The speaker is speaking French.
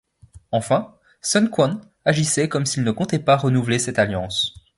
Enfin, Sun Quan agissait comme s'il ne comptait pas renouveler cette alliance.